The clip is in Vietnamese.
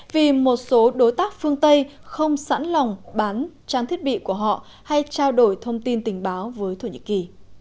vì một số đối tác phương tây không sẵn lòng bán trang thiết bị của họ hay trao đổi thông tin tình báo với thổ nhĩ kỳ